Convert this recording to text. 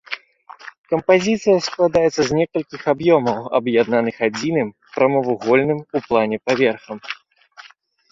Кампазіцыя складаецца з некалькіх аб'ёмаў, аб'яднаных адзіным прамавугольным у плане паверхам.